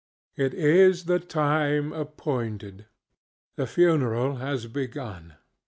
ŌĆöIt is the time appointed. The funeral has begun.